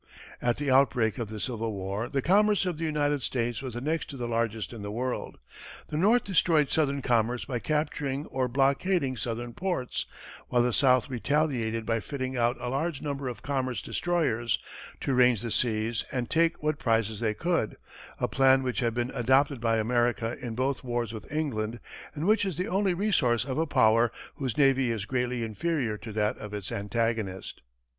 At the outbreak of the Civil War, the commerce of the United States was the next to the largest in the world. The North destroyed southern commerce by capturing or blockading southern ports, while the South retaliated by fitting out a large number of commerce destroyers, to range the seas and take what prizes they could a plan which had been adopted by America in both wars with England, and which is the only resource of a power whose navy is greatly inferior to that of its antagonist.